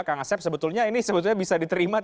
kang asep sebetulnya ini sebetulnya bisa diterima